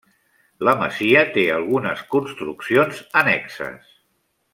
La masia té algunes construccions annexes.